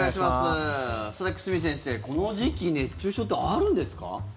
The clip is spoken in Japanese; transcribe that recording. さて、久住先生、この時期熱中症ってあるんですか？